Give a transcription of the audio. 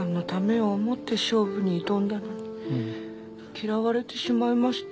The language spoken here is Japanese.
嫌われてしまいました。